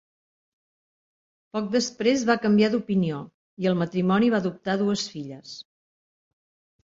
Poc després va canviar d'opinió, i el matrimoni va adoptar dues filles.